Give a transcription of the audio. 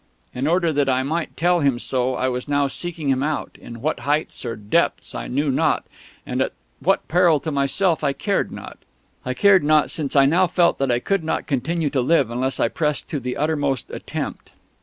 In order that I might tell him so I was now seeking him out, in what heights or depths I knew not, at what peril to myself I cared not. I cared not, since I now felt that I could not continue to live unless I pressed to the uttermost attempt.